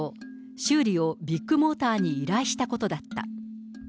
修理をビッグモーターに依頼したことだった。